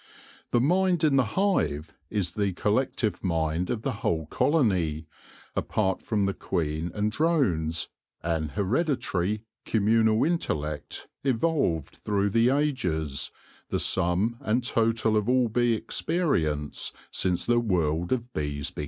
The mind in the hive is the collective mind of the whole colony, apart from the queen and drones — an hereditary, communal intellect evolved through the ages, the sum and total of all bee experience since the world of bees began.